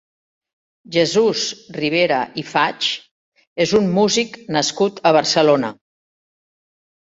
Jesús Ribera i Faig és un músic nascut a Barcelona.